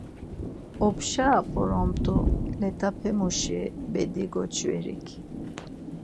Opşa p̌oromt̆u let̆apemuşi bedi goç̌verik.